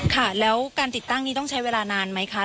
ค่ะแล้วการติดตั้งนี้ต้องใช้เวลานานไหมคะ